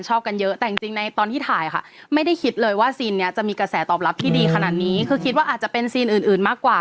สิ่งที่ไม่คิดว่าจะมีกระแสตอบรับที่ดีขนาดนี้คือคิดว่าอาจจะเป็นสิ่งอื่นมากกว่า